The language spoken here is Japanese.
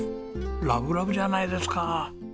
ラブラブじゃないですか！